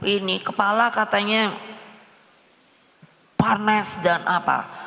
ini kepala katanya panas dan apa